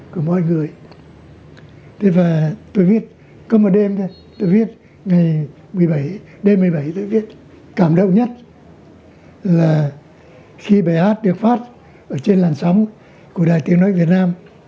cảm động nhất là khi bài hát được phát ở trên làn sóng của đài tiếng nói việt nam